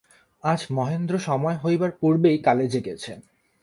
আজ মহেন্দ্র সময় হইবার পূর্বেই কালেজে গেছে।